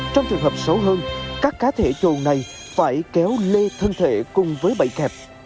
trong trường hợp xấu hơn các cá thể trồn này phải kéo lê thân thể cùng với bẫy kẹp